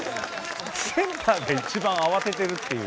センターが一番慌ててるっていう。